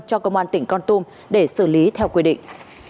cho công an tỉnh con tum để xử lý theo quy định